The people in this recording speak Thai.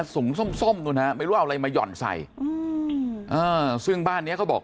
สูงส้มส้มนู้นฮะไม่รู้เอาอะไรมาห่อนใส่ซึ่งบ้านเนี้ยเขาบอก